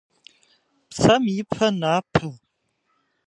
Псэм ипэ напэ.